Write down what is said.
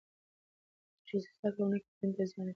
که ښځې زدهکړه ونه کړي، دین ته زیان رسېږي.